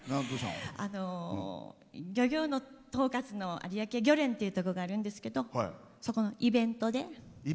漁業の統括の有明漁連というところがあるんですけれどもそこのイベントで。